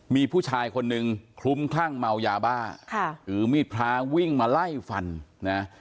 มีผู้ชายคนหนึ่งคลุ้มคลั่งเมายาบ้าค่ะถือมีดพระวิ่งมาไล่ฟันนะ